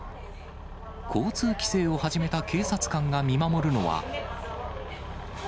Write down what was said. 交通規制を始めた警察官が見守るのは。